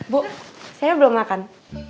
bu saya belum makan